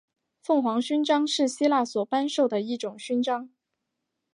凤凰勋章是希腊所颁授的一种勋章。